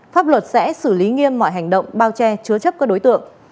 pháp luật sẽ xử lý nghiêm mọi hành động bao che chứa chấp các đối tượng